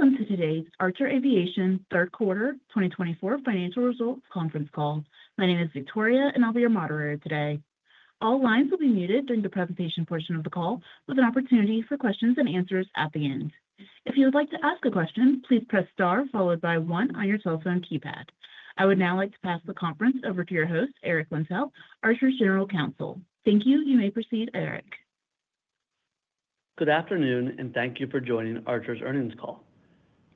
Welcome to today's Archer Aviation Third Quarter 2024 Financial Results Conference Call. My name is Victoria, and I'll be your moderator today. All lines will be muted during the presentation portion of the call, with an opportunity for questions and answers at the end. If you would like to ask a question, please press star followed by one on your telephone keypad. I would now like to pass the conference over to your host, Eric Lentell, Archer's General Counsel. Thank you. You may proceed, Eric. Good afternoon, and thank you for joining Archer's Earnings Call.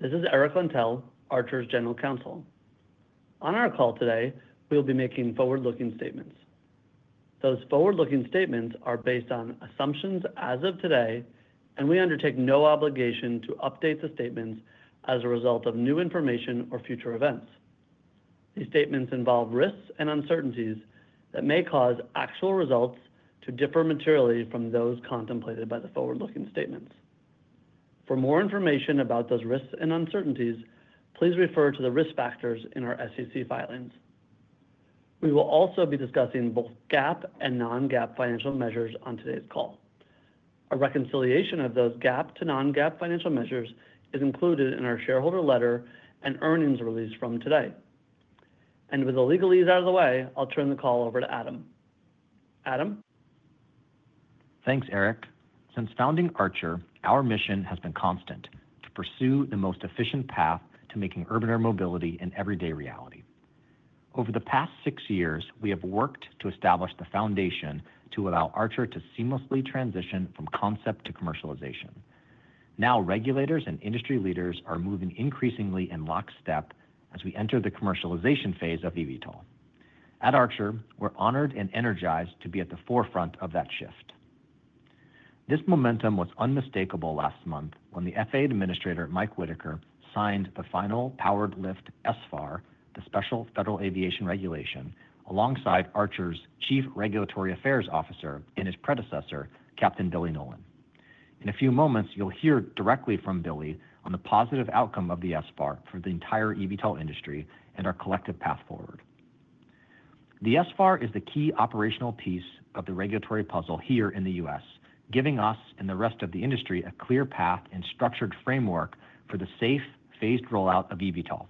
This is Eric Lentell, Archer's General Counsel. On our call today, we will be making forward-looking statements. Those forward-looking statements are based on assumptions as of today, and we undertake no obligation to update the statements as a result of new information or future events. These statements involve risks and uncertainties that may cause actual results to differ materially from those contemplated by the forward-looking statements. For more information about those risks and uncertainties, please refer to the risk factors in our SEC filings. We will also be discussing both GAAP and non-GAAP financial measures on today's call. A reconciliation of those GAAP to non-GAAP financial measures is included in our shareholder letter and earnings release from today. And with the legalese out of the way, I'll turn the call over to Adam. Adam? Thanks, Eric. Since founding Archer, our mission has been constant: to pursue the most efficient path to making urban air mobility an everyday reality. Over the past six years, we have worked to establish the foundation to allow Archer to seamlessly transition from concept to commercialization. Now, regulators and industry leaders are moving increasingly in lockstep as we enter the commercialization phase of eVTOL. At Archer, we're honored and energized to be at the forefront of that shift. This momentum was unmistakable last month when the FAA Administrator Mike Whitaker signed the final powered-lift SFAR, the Special Federal Aviation Regulation, alongside Archer's Chief Regulatory Affairs Officer and his predecessor, Captain Billy Nolen. In a few moments, you'll hear directly from Billy on the positive outcome of the SFAR for the entire eVTOL industry and our collective path forward. The SFAR is the key operational piece of the regulatory puzzle here in the U.S., giving us and the rest of the industry a clear path and structured framework for the safe, phased rollout of eVTOL.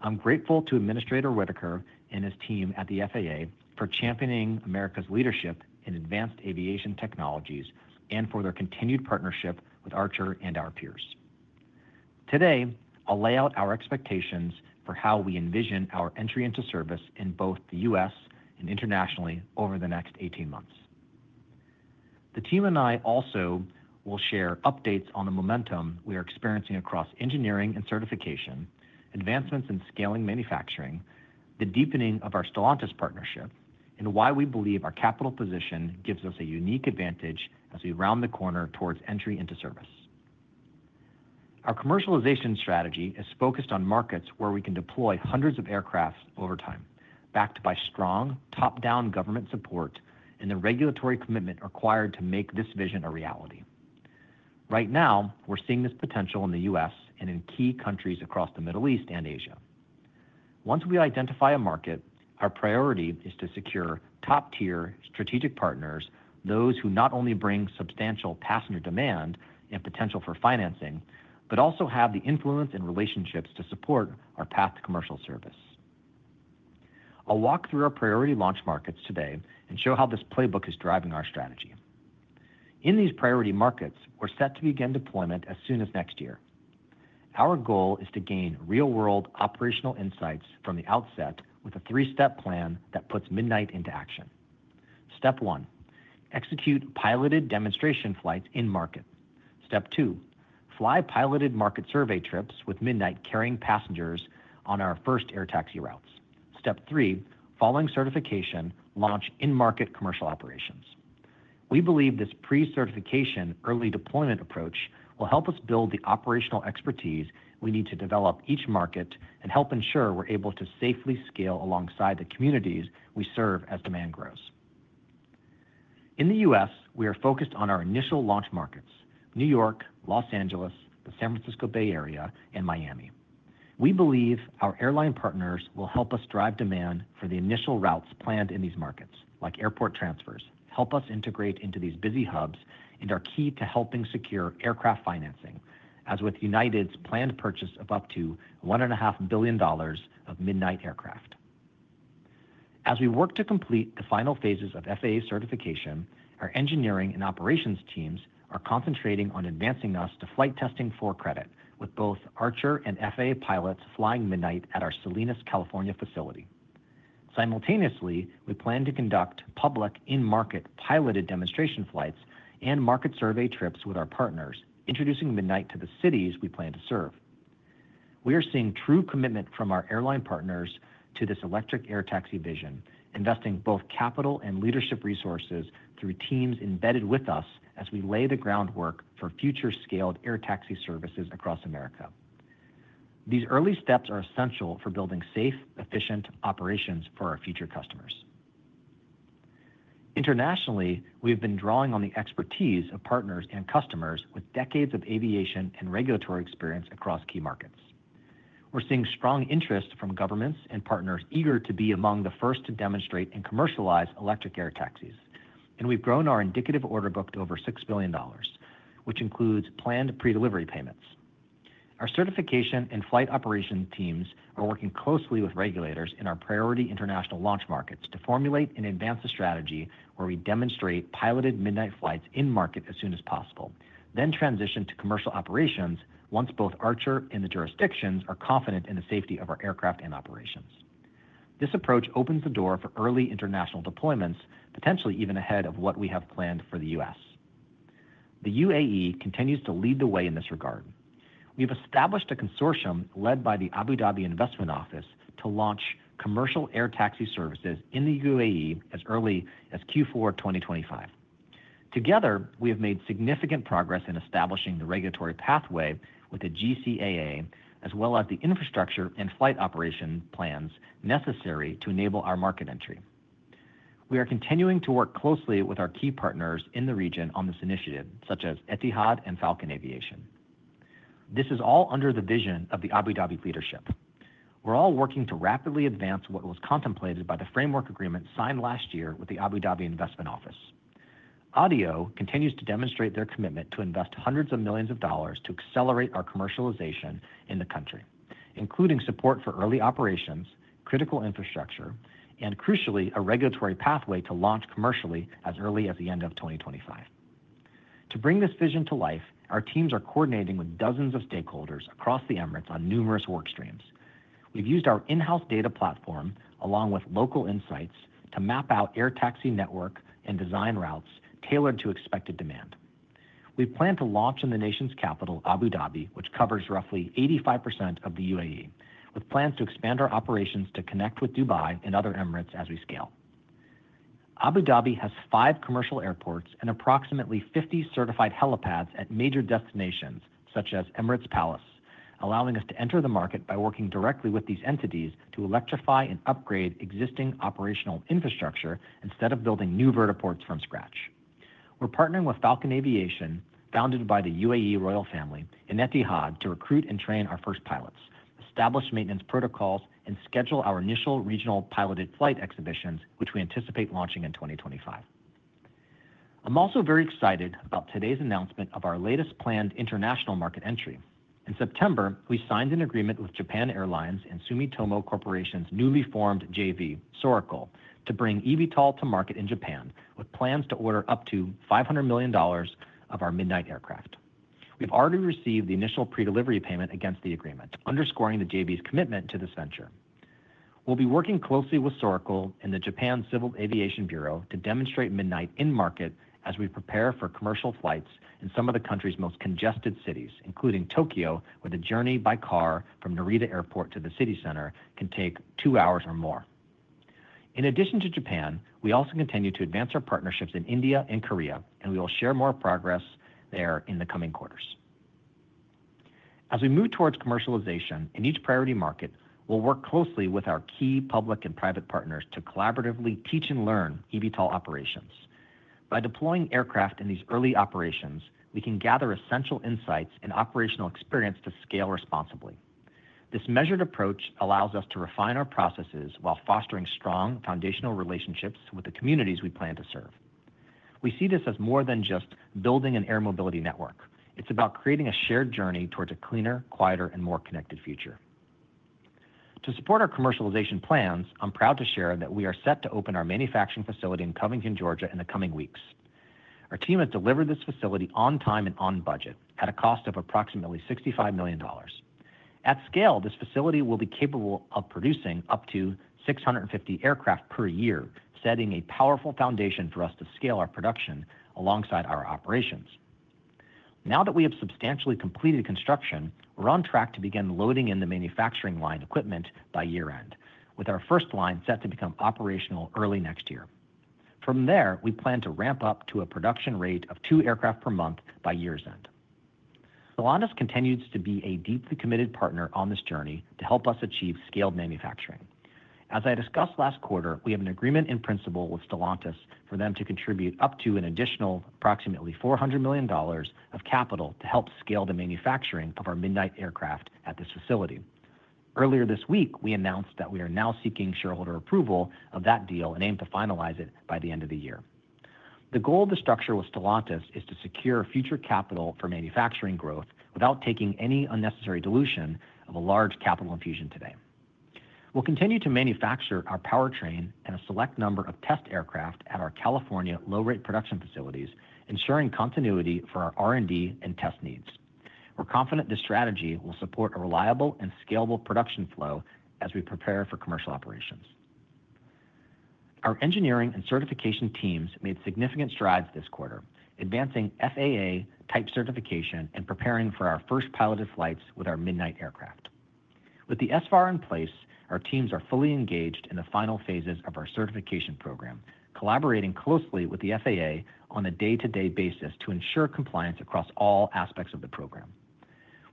I'm grateful to Administrator Whitaker and his team at the FAA for championing America's leadership in advanced aviation technologies and for their continued partnership with Archer and our peers. Today, I'll lay out our expectations for how we envision our entry into service in both the U.S. and internationally over the next 18 months. The team and I also will share updates on the momentum we are experiencing across engineering and certification, advancements in scaling manufacturing, the deepening of our Stellantis partnership, and why we believe our capital position gives us a unique advantage as we round the corner towards entry into service. Our commercialization strategy is focused on markets where we can deploy hundreds of aircraft over time, backed by strong top-down government support and the regulatory commitment required to make this vision a reality. Right now, we're seeing this potential in the U.S. and in key countries across the Middle East and Asia. Once we identify a market, our priority is to secure top-tier strategic partners, those who not only bring substantial passenger demand and potential for financing, but also have the influence and relationships to support our path to commercial service. I'll walk through our priority launch markets today and show how this playbook is driving our strategy. In these priority markets, we're set to begin deployment as soon as next year. Our goal is to gain real-world operational insights from the outset with a three-step plan that puts Midnight into action. Step one: execute piloted demonstration flights in-market. Step two: fly piloted market survey trips with Midnight carrying passengers on our first air taxi routes. Step three: following certification, launch in-market commercial operations. We believe this pre-certification early deployment approach will help us build the operational expertise we need to develop each market and help ensure we're able to safely scale alongside the communities we serve as demand grows. In the U.S., we are focused on our initial launch markets: New York, Los Angeles, the San Francisco Bay Area, and Miami. We believe our airline partners will help us drive demand for the initial routes planned in these markets, like airport transfers, help us integrate into these busy hubs, and are key to helping secure aircraft financing, as with United's planned purchase of up to $1.5 billion of Midnight aircraft. As we work to complete the final phases of FAA certification, our engineering and operations teams are concentrating on advancing us to flight testing for credit, with both Archer and FAA pilots flying Midnight at our Salinas, California facility. Simultaneously, we plan to conduct public in-market piloted demonstration flights and market survey trips with our partners, introducing Midnight to the cities we plan to serve. We are seeing true commitment from our airline partners to this electric air taxi vision, investing both capital and leadership resources through teams embedded with us as we lay the groundwork for future-scaled air taxi services across America. These early steps are essential for building safe, efficient operations for our future customers. Internationally, we have been drawing on the expertise of partners and customers with decades of aviation and regulatory experience across key markets. We're seeing strong interest from governments and partners eager to be among the first to demonstrate and commercialize electric air taxis, and we've grown our indicative order book to over $6 billion, which includes planned pre-delivery payments. Our certification and flight operation teams are working closely with regulators in our priority international launch markets to formulate and advance a strategy where we demonstrate piloted Midnight flights in-market as soon as possible, then transition to commercial operations once both Archer and the jurisdictions are confident in the safety of our aircraft and operations. This approach opens the door for early international deployments, potentially even ahead of what we have planned for the U.S. The UAE continues to lead the way in this regard. We have established a consortium led by the Abu Dhabi Investment Office to launch commercial air taxi services in the UAE as early as Q4 2025. Together, we have made significant progress in establishing the regulatory pathway with the GCAA, as well as the infrastructure and flight operation plans necessary to enable our market entry. We are continuing to work closely with our key partners in the region on this initiative, such as Etihad and Falcon Aviation. This is all under the vision of the Abu Dhabi leadership. We're all working to rapidly advance what was contemplated by the framework agreement signed last year with the Abu Dhabi Investment Office. ADIO continues to demonstrate their commitment to invest hundreds of millions of dollars to accelerate our commercialization in the country, including support for early operations, critical infrastructure, and, crucially, a regulatory pathway to launch commercially as early as the end of 2025. To bring this vision to life, our teams are coordinating with dozens of stakeholders across the Emirates on numerous work streams. We've used our in-house data platform, along with local insights, to map out air taxi network and design routes tailored to expected demand. We plan to launch in the nation's capital, Abu Dhabi, which covers roughly 85% of the UAE, with plans to expand our operations to connect with Dubai and other Emirates as we scale. Abu Dhabi has five commercial airports and approximately 50 certified helipads at major destinations such as Emirates Palace, allowing us to enter the market by working directly with these entities to electrify and upgrade existing operational infrastructure instead of building new vertiports from scratch. We're partnering with Falcon Aviation, founded by the UAE royal family, and Etihad to recruit and train our first pilots, establish maintenance protocols, and schedule our initial regional piloted flight exhibitions, which we anticipate launching in 2025. I'm also very excited about today's announcement of our latest planned international market entry. In September, we signed an agreement with Japan Airlines and Sumitomo Corporation's newly formed JV, Soracle, to bring eVTOL to market in Japan, with plans to order up to $500 million of our Midnight aircraft. We've already received the initial pre-delivery payment against the agreement, underscoring the JV's commitment to this venture. We'll be working closely with Soracle and the Japan Civil Aviation Bureau to demonstrate Midnight in-market as we prepare for commercial flights in some of the country's most congested cities, including Tokyo, where the journey by car from Narita Airport to the city center can take two hours or more. In addition to Japan, we also continue to advance our partnerships in India and Korea, and we will share more progress there in the coming quarters. As we move towards commercialization in each priority market, we'll work closely with our key public and private partners to collaboratively teach and learn eVTOL operations. By deploying aircraft in these early operations, we can gather essential insights and operational experience to scale responsibly. This measured approach allows us to refine our processes while fostering strong foundational relationships with the communities we plan to serve. We see this as more than just building an air mobility network. It's about creating a shared journey towards a cleaner, quieter, and more connected future. To support our commercialization plans, I'm proud to share that we are set to open our manufacturing facility in Covington, Georgia, in the coming weeks. Our team has delivered this facility on time and on budget at a cost of approximately $65 million. At scale, this facility will be capable of producing up to 650 aircraft per year, setting a powerful foundation for us to scale our production alongside our operations. Now that we have substantially completed construction, we're on track to begin loading in the manufacturing line equipment by year-end, with our first line set to become operational early next year. From there, we plan to ramp up to a production rate of two aircraft per month by year's end. Stellantis continues to be a deeply committed partner on this journey to help us achieve scaled manufacturing. As I discussed last quarter, we have an agreement in principle with Stellantis for them to contribute up to an additional approximately $400 million of capital to help scale the manufacturing of our Midnight aircraft at this facility. Earlier this week, we announced that we are now seeking shareholder approval of that deal and aim to finalize it by the end of the year. The goal of the structure with Stellantis is to secure future capital for manufacturing growth without taking any unnecessary dilution of a large capital infusion today. We'll continue to manufacture our powertrain and a select number of test aircraft at our California low-rate production facilities, ensuring continuity for our R&D and test needs. We're confident this strategy will support a reliable and scalable production flow as we prepare for commercial operations. Our engineering and certification teams made significant strides this quarter, advancing FAA-type certification and preparing for our first piloted flights with our Midnight aircraft. With the SFAR in place, our teams are fully engaged in the final phases of our certification program, collaborating closely with the FAA on a day-to-day basis to ensure compliance across all aspects of the program.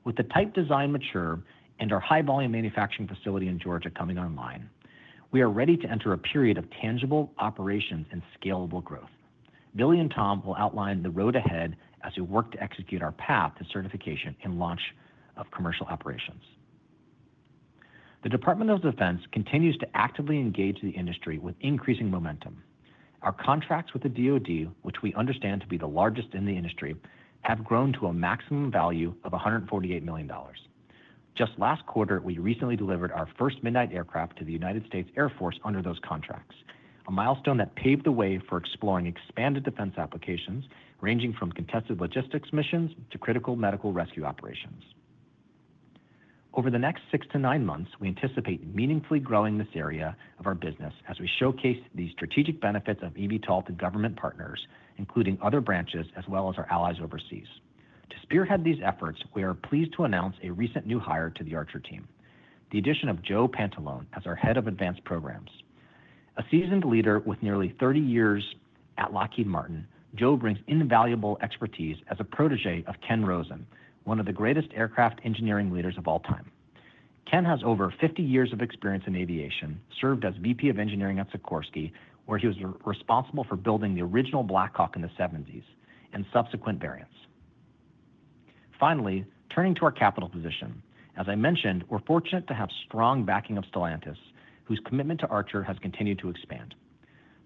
With the type design mature and our high-volume manufacturing facility in Georgia coming online, we are ready to enter a period of tangible operations and scalable growth. Billy and Tom will outline the road ahead as we work to execute our path to certification and launch of commercial operations. The Department of Defense continues to actively engage the industry with increasing momentum. Our contracts with the DOD, which we understand to be the largest in the industry, have grown to a maximum value of $148 million. Just last quarter, we recently delivered our first Midnight aircraft to the United States Air Force under those contracts, a milestone that paved the way for exploring expanded defense applications ranging from contested logistics missions to critical medical rescue operations. Over the next six to nine months, we anticipate meaningfully growing this area of our business as we showcase the strategic benefits of eVTOL to government partners, including other branches, as well as our allies overseas. To spearhead these efforts, we are pleased to announce a recent new hire to the Archer team, the addition of Joe Pantelides as our head of advanced programs. A seasoned leader with nearly 30 years at Lockheed Martin, Joe brings invaluable expertise as a protégé of Ken Rosen, one of the greatest aircraft engineering leaders of all time. Ken has over 50 years of experience in aviation, served as VP of Engineering at Sikorsky, where he was responsible for building the original Black Hawk in the 1970s and subsequent variants. Finally, turning to our capital position, as I mentioned, we're fortunate to have strong backing of Stellantis, whose commitment to Archer has continued to expand.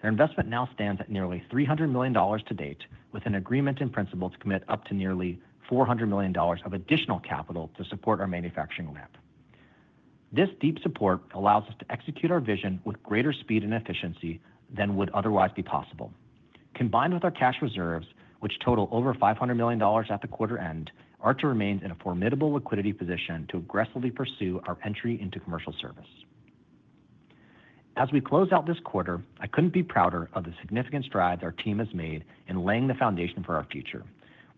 Their investment now stands at nearly $300 million to date, with an agreement in principle to commit up to nearly $400 million of additional capital to support our manufacturing ramp. This deep support allows us to execute our vision with greater speed and efficiency than would otherwise be possible. Combined with our cash reserves, which total over $500 million at the quarter end, Archer remains in a formidable liquidity position to aggressively pursue our entry into commercial service. As we close out this quarter, I couldn't be prouder of the significant strides our team has made in laying the foundation for our future.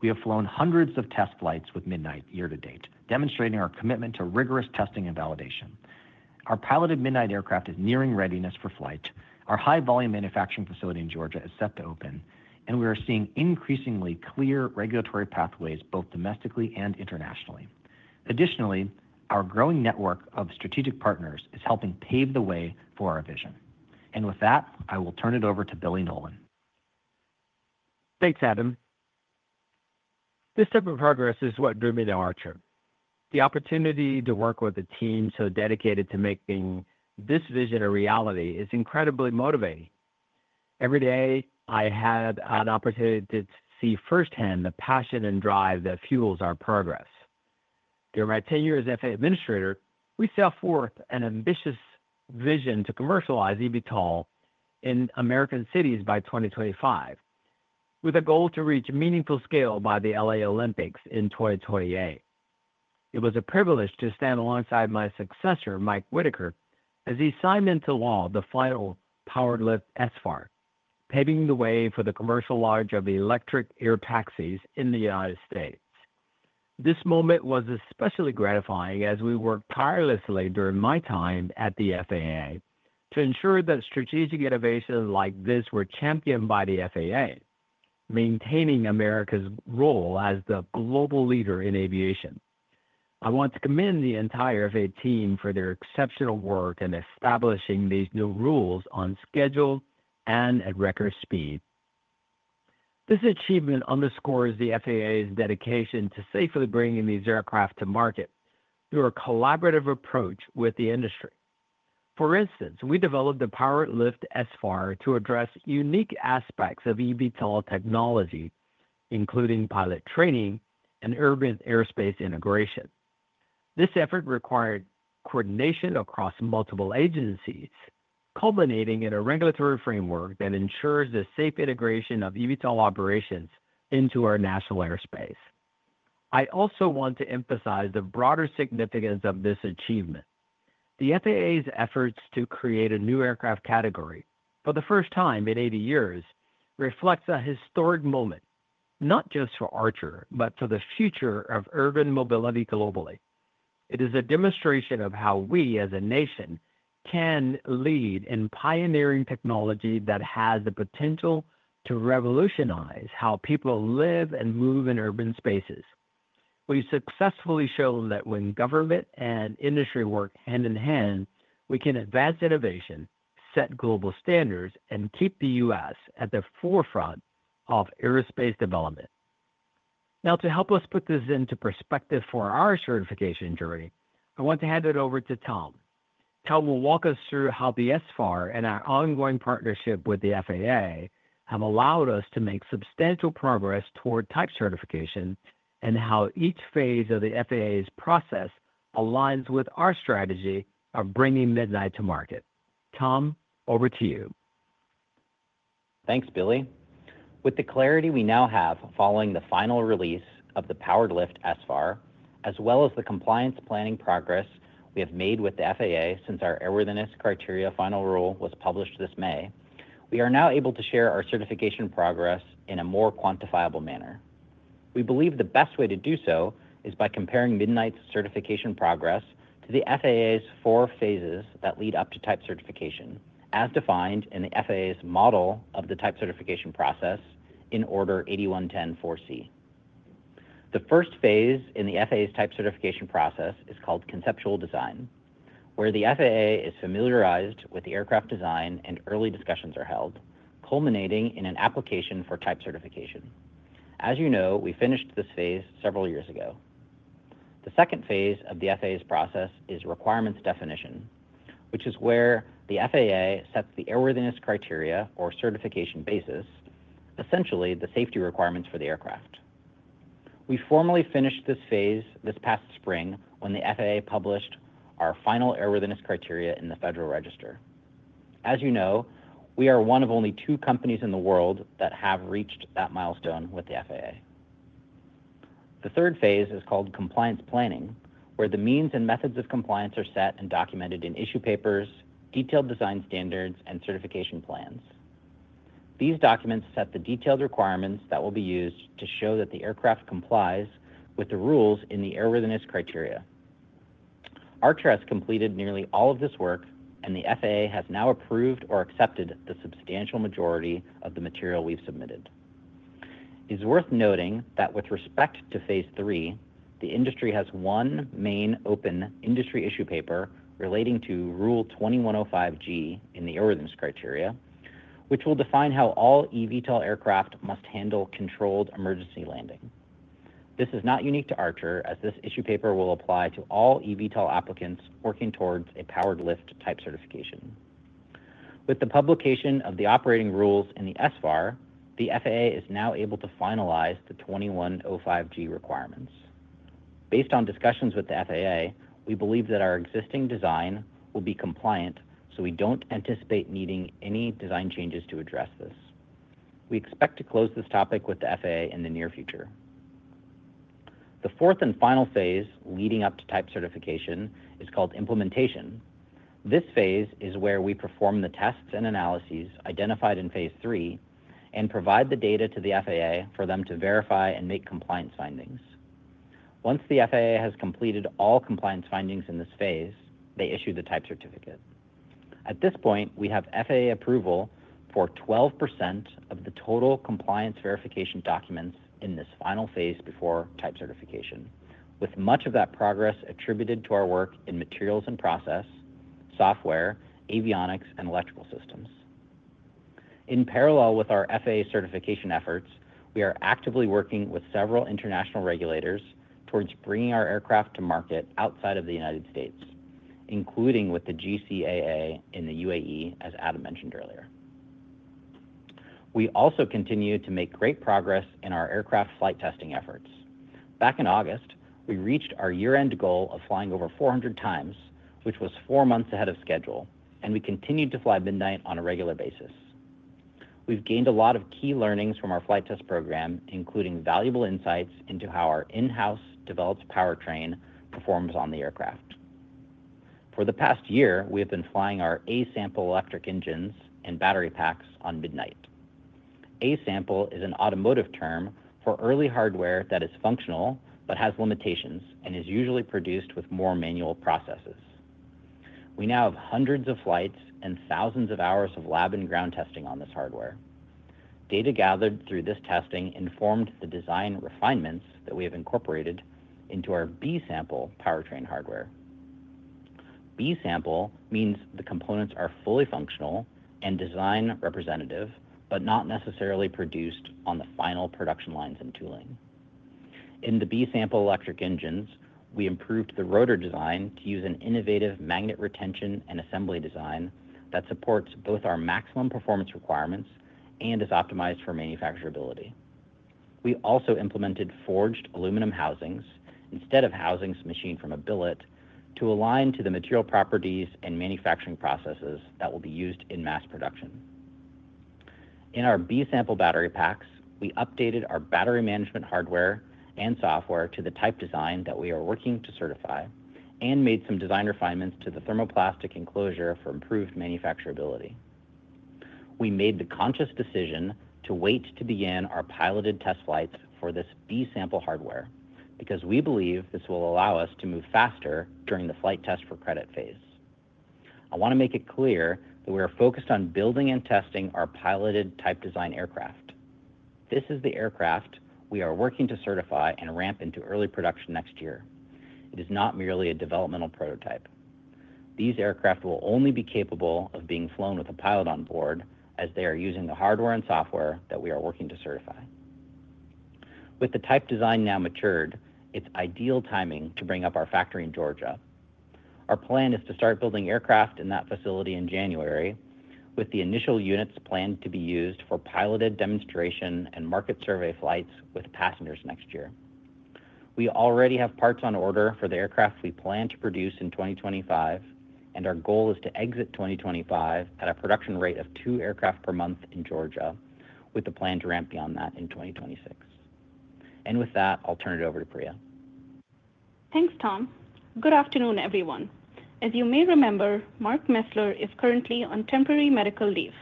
We have flown hundreds of test flights with Midnight year-to-date, demonstrating our commitment to rigorous testing and validation. Our piloted Midnight aircraft is nearing readiness for flight. Our high-volume manufacturing facility in Georgia is set to open, and we are seeing increasingly clear regulatory pathways both domestically and internationally. Additionally, our growing network of strategic partners is helping pave the way for our vision. And with that, I will turn it over to Billy Nolen. Thanks, Adam. This type of progress is what drew me to Archer. The opportunity to work with a team so dedicated to making this vision a reality is incredibly motivating. Every day, I had an opportunity to see firsthand the passion and drive that fuels our progress. During my tenure as FAA administrator, we set forth an ambitious vision to commercialize eVTOL in American cities by 2025, with a goal to reach meaningful scale by the LA Olympics in 2028. It was a privilege to stand alongside my successor, Mike Whitaker, as he signed into law the final powered-lift SFAR, paving the way for the commercial launch of electric air taxis in the United States. This moment was especially gratifying as we worked tirelessly during my time at the FAA to ensure that strategic innovations like this were championed by the FAA, maintaining America's role as the global leader in aviation. I want to commend the entire FAA team for their exceptional work in establishing these new rules on schedule and at record speed. This achievement underscores the FAA's dedication to safely bringing these aircraft to market through a collaborative approach with the industry. For instance, we developed the powered-lift SFAR to address unique aspects of eVTOL technology, including pilot training and urban airspace integration. This effort required coordination across multiple agencies, culminating in a regulatory framework that ensures the safe integration of eVTOL operations into our national airspace. I also want to emphasize the broader significance of this achievement. The FAA's efforts to create a new aircraft category for the first time in 80 years reflects a historic moment, not just for Archer, but for the future of urban mobility globally. It is a demonstration of how we, as a nation, can lead in pioneering technology that has the potential to revolutionize how people live and move in urban spaces. We've successfully shown that when government and industry work hand in hand, we can advance innovation, set global standards, and keep the U.S. at the forefront of aerospace development. Now, to help us put this into perspective for our certification journey, I want to hand it over to Tom. Tom will walk us through how the SFAR and our ongoing partnership with the FAA have allowed us to make substantial progress toward type certification and how each phase of the FAA's process aligns with our strategy of bringing Midnight to market. Tom, over to you. Thanks, Billy. With the clarity we now have following the final release of the powered lift SFAR, as well as the compliance planning progress we have made with the FAA since our airworthiness criteria final rule was published this May, we are now able to share our certification progress in a more quantifiable manner. We believe the best way to do so is by comparing Midnight's certification progress to the FAA's four phases that lead up to type certification, as defined in the FAA's model of the type certification process in Order 8110.4C. The first phase in the FAA's type certification process is called conceptual design, where the FAA is familiarized with the aircraft design and early discussions are held, culminating in an application for type certification. As you know, we finished this phase several years ago. The second phase of the FAA's process is requirements definition, which is where the FAA sets the airworthiness criteria or certification basis, essentially the safety requirements for the aircraft. We formally finished this phase this past spring when the FAA published our final airworthiness criteria in the Federal Register. As you know, we are one of only two companies in the world that have reached that milestone with the FAA. The third phase is called compliance planning, where the means and methods of compliance are set and documented in issue papers, detailed design standards, and certification plans. These documents set the detailed requirements that will be used to show that the aircraft complies with the rules in the airworthiness criteria. Archer has completed nearly all of this work, and the FAA has now approved or accepted the substantial majority of the material we've submitted. It's worth noting that with respect to phase three, the industry has one main open industry issue paper relating to Rule 21.05(g) in the airworthiness criteria, which will define how all eVTOL aircraft must handle controlled emergency landing. This is not unique to Archer, as this issue paper will apply to all eVTOL applicants working towards a powered lift type certification. With the publication of the operating rules in the SFAR, the FAA is now able to finalize the 21.05(g) requirements. Based on discussions with the FAA, we believe that our existing design will be compliant, so we don't anticipate needing any design changes to address this. We expect to close this topic with the FAA in the near future. The fourth and final phase leading up to type certification is called implementation. This phase is where we perform the tests and analyses identified in phase three and provide the data to the FAA for them to verify and make compliance findings. Once the FAA has completed all compliance findings in this phase, they issue the type certificate. At this point, we have FAA approval for 12% of the total compliance verification documents in this final phase before type certification, with much of that progress attributed to our work in materials and process, software, avionics, and electrical systems. In parallel with our FAA certification efforts, we are actively working with several international regulators towards bringing our aircraft to market outside of the United States, including with the GCAA in the UAE, as Adam mentioned earlier. We also continue to make great progress in our aircraft flight testing efforts. Back in August, we reached our year-end goal of flying over 400 times, which was four months ahead of schedule, and we continued to fly Midnight on a regular basis. We've gained a lot of key learnings from our flight test program, including valuable insights into how our in-house developed powertrain performs on the aircraft. For the past year, we have been flying our A-sample electric engines and battery packs on Midnight. A-sample is an automotive term for early hardware that is functional but has limitations and is usually produced with more manual processes. We now have hundreds of flights and thousands of hours of lab and ground testing on this hardware. Data gathered through this testing informed the design refinements that we have incorporated into our B-sample powertrain hardware. B-sample means the components are fully functional and design representative, but not necessarily produced on the final production lines and tooling. In the B-sample electric engines, we improved the rotor design to use an innovative magnet retention and assembly design that supports both our maximum performance requirements and is optimized for manufacturability. We also implemented forged aluminum housings instead of housings machined from a billet to align to the material properties and manufacturing processes that will be used in mass production. In our B-sample battery packs, we updated our battery management hardware and software to the type design that we are working to certify and made some design refinements to the thermoplastic enclosure for improved manufacturability. We made the conscious decision to wait to begin our piloted test flights for this B-sample hardware because we believe this will allow us to move faster during the flight test for credit phase. I want to make it clear that we are focused on building and testing our piloted type design aircraft. This is the aircraft we are working to certify and ramp into early production next year. It is not merely a developmental prototype. These aircraft will only be capable of being flown with a pilot on board as they are using the hardware and software that we are working to certify. With the type design now matured, it's ideal timing to bring up our factory in Georgia. Our plan is to start building aircraft in that facility in January, with the initial units planned to be used for piloted demonstration and market survey flights with passengers next year. We already have parts on order for the aircraft we plan to produce in 2025, and our goal is to exit 2025 at a production rate of two aircraft per month in Georgia, with the plan to ramp beyond that in 2026. And with that, I'll turn it over to Priya. Thanks, Tom. Good afternoon, everyone. As you may remember, Mark Mesler is currently on temporary medical leave.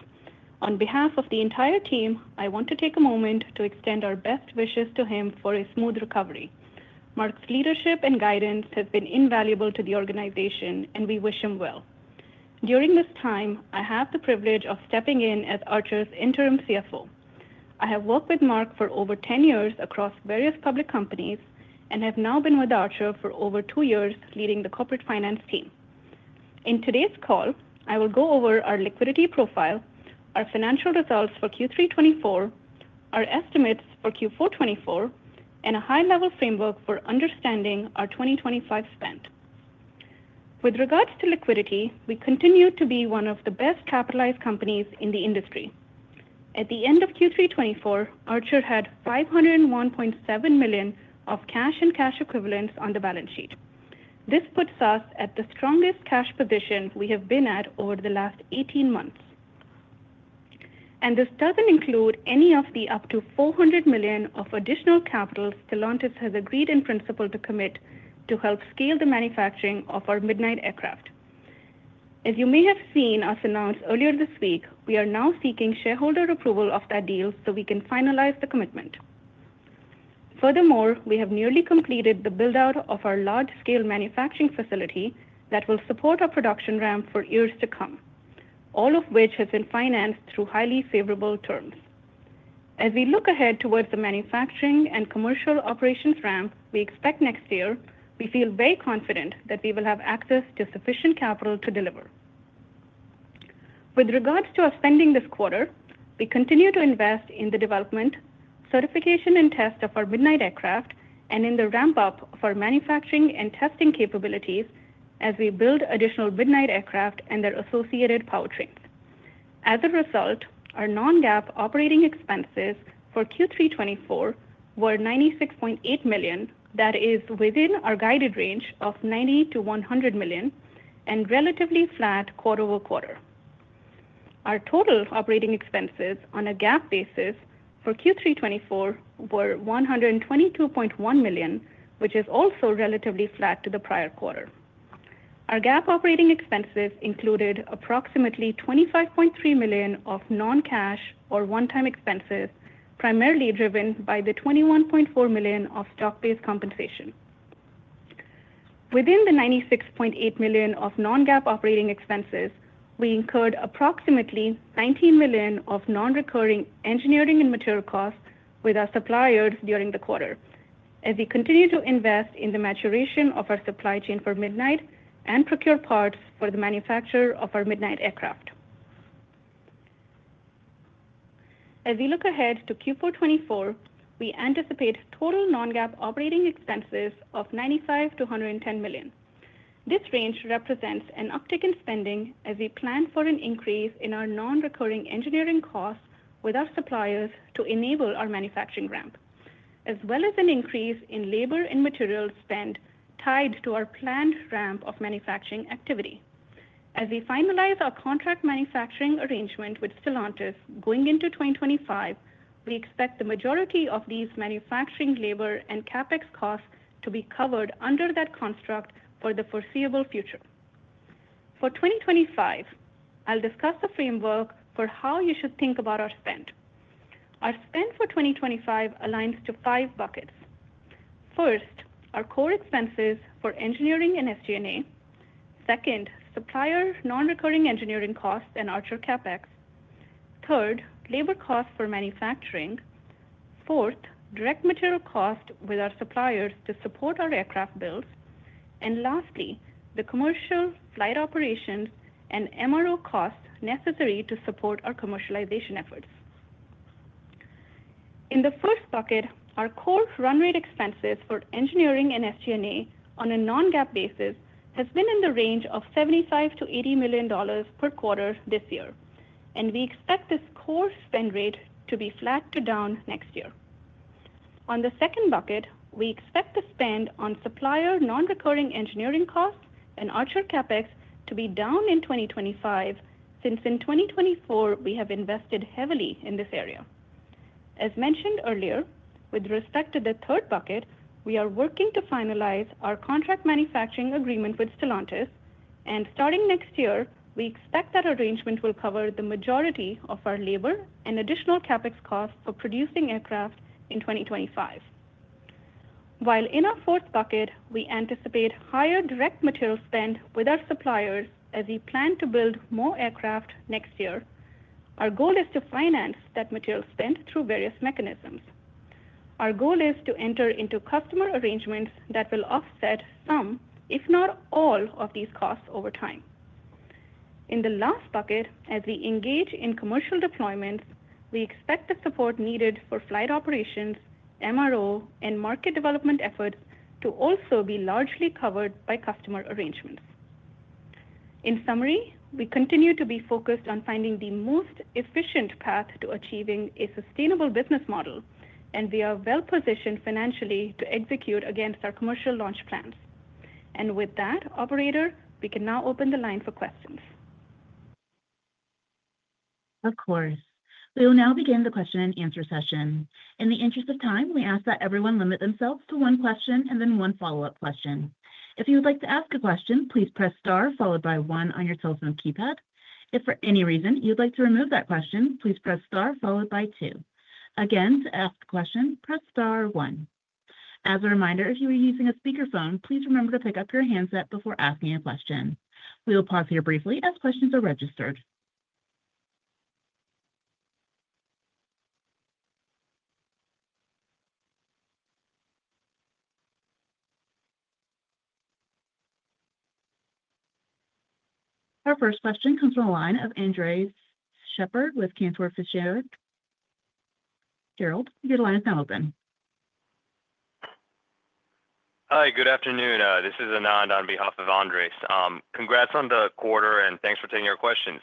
On behalf of the entire team, I want to take a moment to extend our best wishes to him for a smooth recovery. Mark's leadership and guidance have been invaluable to the organization, and we wish him well. During this time, I have the privilege of stepping in as Archer's interim CFO. I have worked with Mark for over 10 years across various public companies and have now been with Archer for over two years leading the corporate finance team. In today's call, I will go over our liquidity profile, our financial results for Q3 2024, our estimates for Q4 2024, and a high-level framework for understanding our 2025 spend. With regards to liquidity, we continue to be one of the best capitalized companies in the industry. At the end of Q3 2024, Archer had $501.7 million of cash and cash equivalents on the balance sheet. This puts us at the strongest cash position we have been at over the last 18 months. And this doesn't include any of the up to $400 million of additional capital Stellantis has agreed in principle to commit to help scale the manufacturing of our Midnight aircraft. As you may have seen us announce earlier this week, we are now seeking shareholder approval of that deal so we can finalize the commitment. Furthermore, we have nearly completed the build-out of our large-scale manufacturing facility that will support our production ramp for years to come, all of which has been financed through highly favorable terms. As we look ahead toward the manufacturing and commercial operations ramp we expect next year, we feel very confident that we will have access to sufficient capital to deliver. With regards to our spending this quarter, we continue to invest in the development, certification, and test of our Midnight aircraft and in the ramp-up of our manufacturing and testing capabilities as we build additional Midnight aircraft and their associated powertrains. As a result, our non-GAAP operating expenses for Q3 2024 were $96.8 million, that is, within our guided range of $90-$100 million, and relatively flat quarter over quarter. Our total operating expenses on a GAAP basis for Q3 2024 were $122.1 million, which is also relatively flat to the prior quarter. Our GAAP operating expenses included approximately $25.3 million of non-cash or one-time expenses, primarily driven by the $21.4 million of stock-based compensation. Within the $96.8 million of non-GAAP operating expenses, we incurred approximately $19 million of non-recurring engineering and material costs with our suppliers during the quarter, as we continue to invest in the maturation of our supply chain for Midnight and procure parts for the manufacture of our Midnight aircraft. As we look ahead to Q4 2024, we anticipate total non-GAAP operating expenses of $95 million-$110 million. This range represents an uptick in spending as we plan for an increase in our non-recurring engineering costs with our suppliers to enable our manufacturing ramp, as well as an increase in labor and materials spend tied to our planned ramp of manufacturing activity. As we finalize our contract manufacturing arrangement with Stellantis going into 2025, we expect the majority of these manufacturing labor and CapEx costs to be covered under that construct for the foreseeable future. For 2025, I'll discuss the framework for how you should think about our spend. Our spend for 2025 aligns to five buckets. First, our core expenses for engineering and SG&A. Second, supplier non-recurring engineering costs and Archer CapEx. Third, labor costs for manufacturing. Fourth, direct material costs with our suppliers to support our aircraft builds. And lastly, the commercial flight operations and MRO costs necessary to support our commercialization efforts. In the first bucket, our core run rate expenses for engineering and SG&A on a non-GAAP basis has been in the range of $75-$80 million per quarter this year, and we expect this core spend rate to be flat to down next year. On the second bucket, we expect the spend on supplier non-recurring engineering costs and Archer CapEx to be down in 2025 since in 2024 we have invested heavily in this area. As mentioned earlier, with respect to the third bucket, we are working to finalize our contract manufacturing agreement with Stellantis, and starting next year, we expect that arrangement will cover the majority of our labor and additional CapEx costs for producing aircraft in 2025. While in our fourth bucket, we anticipate higher direct material spend with our suppliers as we plan to build more aircraft next year, our goal is to finance that material spend through various mechanisms. Our goal is to enter into customer arrangements that will offset some, if not all, of these costs over time. In the last bucket, as we engage in commercial deployments, we expect the support needed for flight operations, MRO, and market development efforts to also be largely covered by customer arrangements. In summary, we continue to be focused on finding the most efficient path to achieving a sustainable business model, and we are well-positioned financially to execute against our commercial launch plans. And with that, Operator, we can now open the line for questions. Of course. We will now begin the question and answer session. In the interest of time, we ask that everyone limit themselves to one question and then one follow-up question. If you would like to ask a question, please press star followed by one on your telephone keypad. If for any reason you'd like to remove that question, please press star followed by two. Again, to ask a question, press star one. As a reminder, if you are using a speakerphone, please remember to pick up your handset before asking a question. We will pause here briefly as questions are registered. Our first question comes from the line of Andres Sheppard with Cantor Fitzgerald. Andres, your line is now open. Hi, good afternoon. This is Anand on behalf of Andres. Congrats on the quarter, and thanks for taking our questions.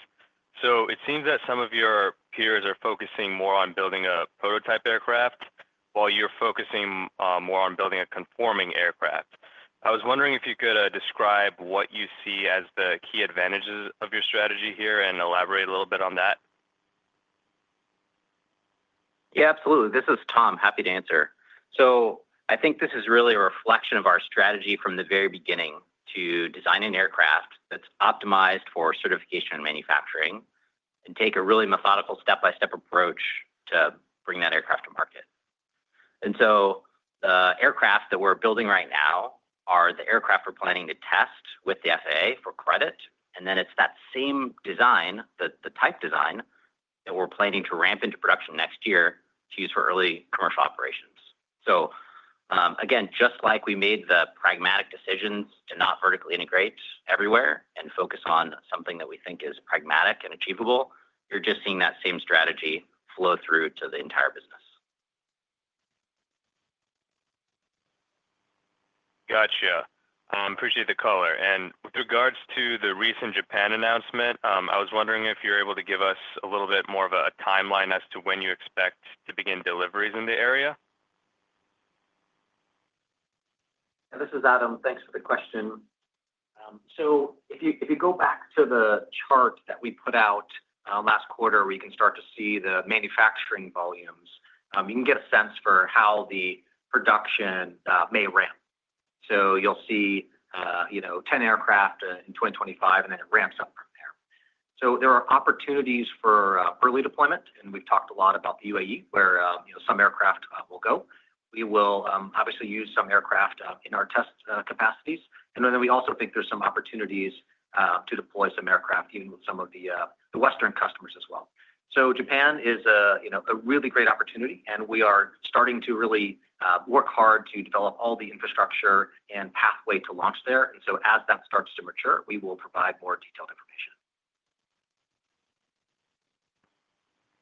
So it seems that some of your peers are focusing more on building a prototype aircraft while you're focusing more on building a conforming aircraft. I was wondering if you could describe what you see as the key advantages of your strategy here and elaborate a little bit on that. Yeah, absolutely. This is Tom. Happy to answer. So I think this is really a reflection of our strategy from the very beginning to design an aircraft that's optimized for certification and manufacturing and take a really methodical step-by-step approach to bring that aircraft to market. And so the aircraft that we're building right now are the aircraft we're planning to test with the FAA for credit, and then it's that same design, the type design, that we're planning to ramp into production next year to use for early commercial operations. So again, just like we made the pragmatic decisions to not vertically integrate everywhere and focus on something that we think is pragmatic and achievable, you're just seeing that same strategy flow through to the entire business. Gotcha. Appreciate the color. And with regards to the recent Japan announcement, I was wondering if you're able to give us a little bit more of a timeline as to when you expect to begin deliveries in the area. This is Adam. Thanks for the question. So if you go back to the chart that we put out last quarter, we can start to see the manufacturing volumes. You can get a sense for how the production may ramp. So you'll see 10 aircraft in 2025, and then it ramps up from there. So there are opportunities for early deployment, and we've talked a lot about the UAE where some aircraft will go. We will obviously use some aircraft in our test capacities, and then we also think there's some opportunities to deploy some aircraft even with some of the Western customers as well. So Japan is a really great opportunity, and we are starting to really work hard to develop all the infrastructure and pathway to launch there. And so as that starts to mature, we will provide more detailed information.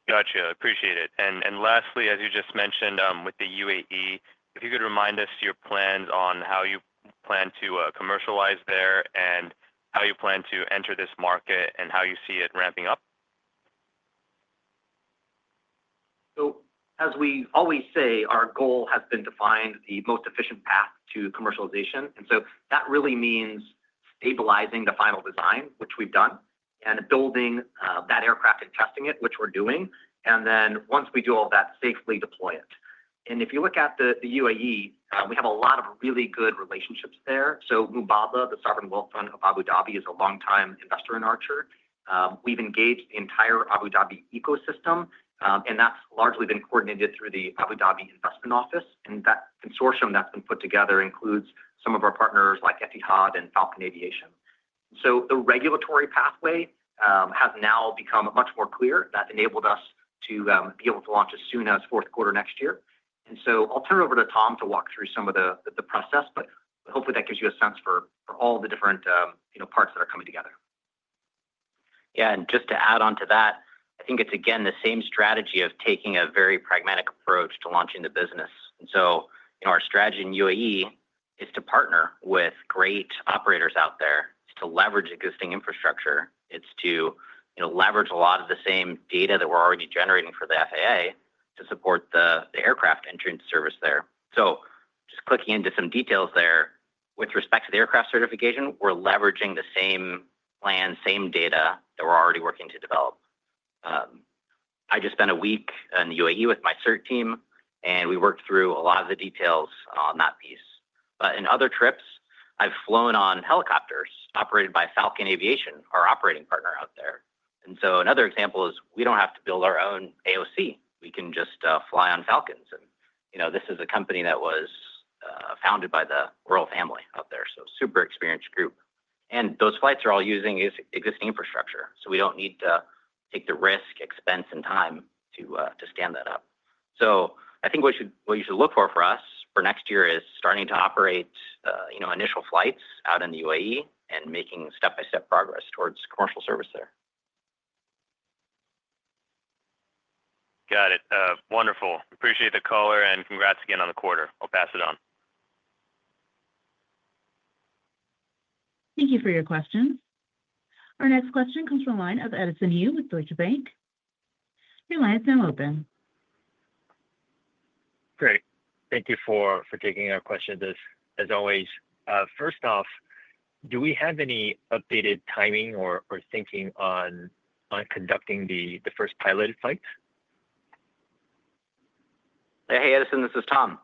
Gotcha. Appreciate it. And lastly, as you just mentioned with the UAE, if you could remind us your plans on how you plan to commercialize there and how you plan to enter this market and how you see it ramping up? So as we always say, our goal has been to find the most efficient path to commercialization. And so that really means stabilizing the final design, which we've done, and building that aircraft and testing it, which we're doing. And then once we do all that, safely deploy it. And if you look at the UAE, we have a lot of really good relationships there. So Mubadala, the sovereign wealth fund of Abu Dhabi, is a long-time investor in Archer. We've engaged the entire Abu Dhabi ecosystem, and that's largely been coordinated through the Abu Dhabi Investment Office. And that consortium that's been put together includes some of our partners like Etihad and Falcon Aviation. So the regulatory pathway has now become much more clear. That enabled us to be able to launch as soon as fourth quarter next year. And so I'll turn it over to Tom to walk through some of the process, but hopefully that gives you a sense for all the different parts that are coming together. Yeah. And just to add on to that, I think it's again the same strategy of taking a very pragmatic approach to launching the business. And so our strategy in UAE is to partner with great operators out there. It's to leverage existing infrastructure. It's to leverage a lot of the same data that we're already generating for the FAA to support the aircraft entering service there. So just clicking into some details there. With respect to the aircraft certification, we're leveraging the same plan, same data that we're already working to develop. I just spent a week in the UAE with my CERT team, and we worked through a lot of the details on that piece. But in other trips, I've flown on helicopters operated by Falcon Aviation, our operating partner out there. And so another example is we don't have to build our own AOC. We can just fly on Falcons. And this is a company that was founded by the royal family out there, so super experienced group. And those flights are all using existing infrastructure, so we don't need to take the risk, expense, and time to stand that up. So I think what you should look for for us for next year is starting to operate initial flights out in the UAE and making step-by-step progress towards commercial service there. Got it. Wonderful. Appreciate the caller, and congrats again on the quarter. I'll pass it on. Thank you for your questions. Our next question comes from a line of Edison Yu with Deutsche Bank. Your line is now open. Great. Thank you for taking our questions, as always. First off, do we have any updated timing or thinking on conducting the first piloted flight? Hey, Edison, this is Tom.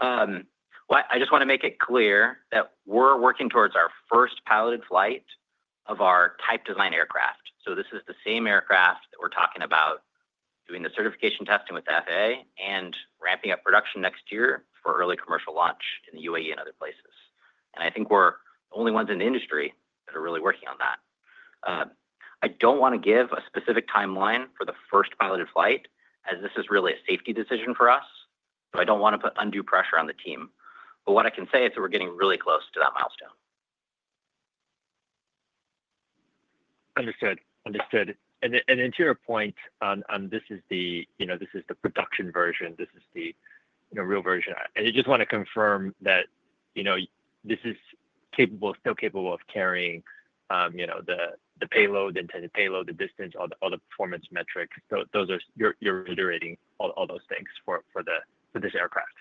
Well, I just want to make it clear that we're working towards our first piloted flight of our type design aircraft. So this is the same aircraft that we're talking about doing the certification testing with the FAA and ramping up production next year for early commercial launch in the UAE and other places. And I think we're the only ones in the industry that are really working on that. I don't want to give a specific timeline for the first piloted flight, as this is really a safety decision for us, but I don't want to put undue pressure on the team. But what I can say is that we're getting really close to that milestone. Understood. Understood. And to your point on this is the production version. This is the real version. I just want to confirm that this is still capable of carrying the payload, the intended payload, the distance, all the performance metrics. You're iterating all those things for this aircraft.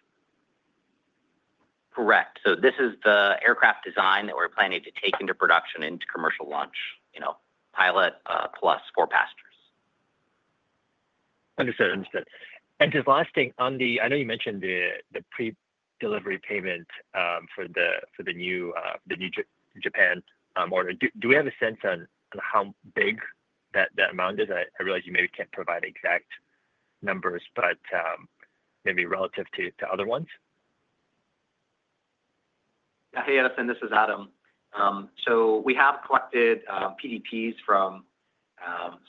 Correct. So this is the aircraft design that we're planning to take into production and into commercial launch, pilot plus four passengers. Understood. Understood. And just last thing, I know you mentioned the pre-delivery payment for Japan. Do we have a sense on how big that amount is? I realize you maybe can't provide exact numbers, but maybe relative to other ones. Hey, Edison, this is Adam. So we have collected PDPs from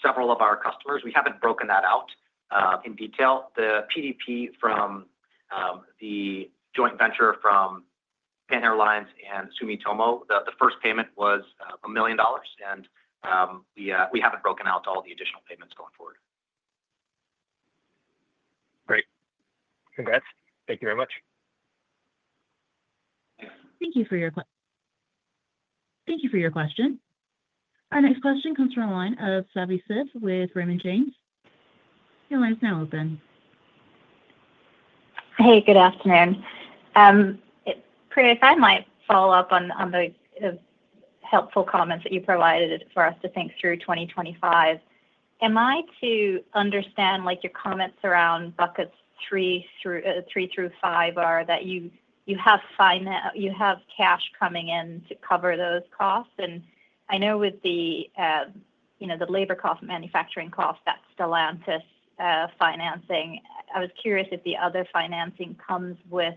several of our customers. We haven't broken that out in detail. The PDP from the joint venture from Japan Airlines and Sumitomo, the first payment was $1 million, and we haven't broken out all the additional payments going forward. Great. Congrats. Thank you very much. Thank you for your question. Our next question comes from a line of Savi Syth with Raymond James. Your line is now open. Hey, good afternoon. Priya, if I might follow up on the helpful comments that you provided for us to think through 2025, am I to understand your comments around buckets three through five are that you have cash coming in to cover those costs? And I know with the labor cost, manufacturing cost, that's Stellantis financing. I was curious if the other financing comes with